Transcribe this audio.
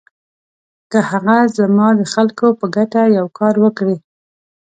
که هغه زما د خلکو په ګټه یو کار وکړي.